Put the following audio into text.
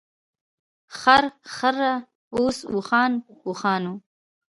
خر، خره، اوښ ، اوښان ، اوښانو .